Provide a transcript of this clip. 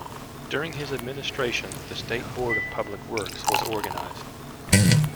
During his administration, the State Board of Public Works was organized.